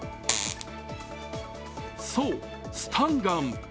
そう、スタンガン。